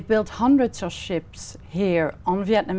trước khi tôi quay về việt nam